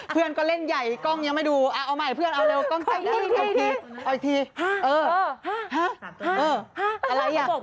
เพื่อนก็เล่นใหญ่กล้องยังไม่ดูเอาใหม่เพื่อนเอาเร็วกล้องเจ็บ